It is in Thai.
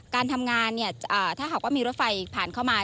การทำงานเนี่ยถ้าหากว่ามีรถไฟผ่านเข้ามา